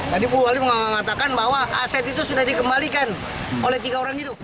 tadi bu wali mengatakan bahwa aset itu sudah dikembalikan oleh tiga orang itu